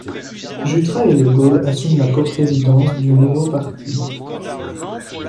Jutras et Legault assument la coprésidence du nouveau parti.